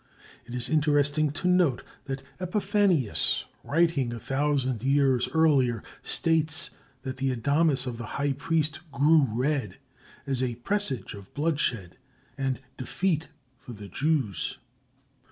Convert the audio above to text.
It is interesting to note that Epiphanius, writing a thousand years earlier, states that the adamas of the high priest grew red as a presage of bloodshed and defeat for the Jews.